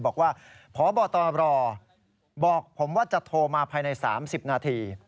บอกว่าพบตรบอกผมว่าจะโทรมาภายใน๓๐นาที